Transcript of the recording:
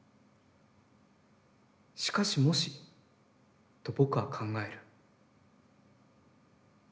しかし若し、と僕は考える」。